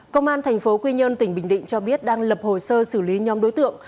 công an tp quy nhơn tỉnh bình định cho biết đang lập hồ sơ xử lý nhóm đối tượng